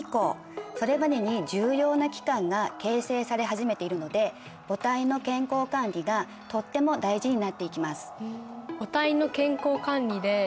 それまでに重要な器官が形成され始めているので母体の健康管理がとっても大事になっていきます。